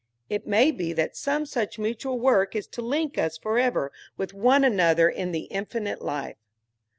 It may be that some such mutual work is to link us forever with one another in the Infinite Life.